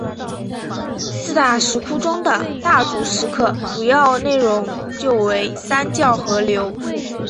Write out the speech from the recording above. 四大石窟中的大足石刻主要内容就为三教合流。